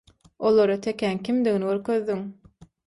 Olara tekäň kimdigini görkezdiň.